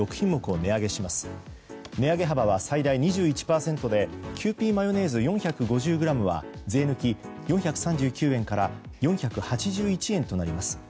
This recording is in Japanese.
値上げ幅は最大２１％でキユーピーマヨネーズ４５０ｇは税抜き４３９円から４８１円となります。